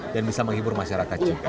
dan bisa menghibur masyarakat juga